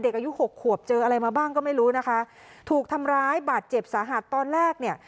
อายุหกขวบเจออะไรมาบ้างก็ไม่รู้นะคะถูกทำร้ายบาดเจ็บสาหัสตอนแรกเนี่ย